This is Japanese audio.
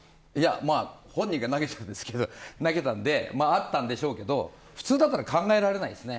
本人が投げたのであったのでしょうけど普通だったら考えられないですね。